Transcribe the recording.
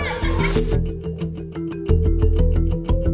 ไม่มีทางที่หรอ